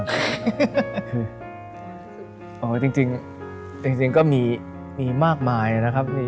คือจริงก็มีมากมายนะครับ